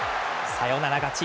サヨナラ勝ち。